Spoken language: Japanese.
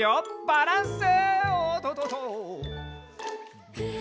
バランス。